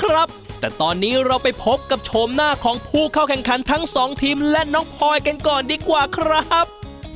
ครับแต่ตอนนี้เราไปพบกับโฉมหน้าของผู้เข้าแข่งขันทั้งสองทีมและน้องพลอยกันก่อนดีกว่าครับ